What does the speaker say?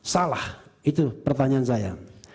salah itu pertanyaan saya